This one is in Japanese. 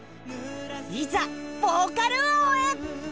いざヴォーカル王へ